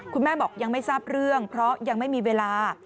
คุณแม่บอกยังไม่ทราบเรื่องเพราะยังไม่มีเวลา